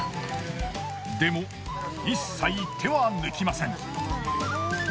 でも一切手は抜きません。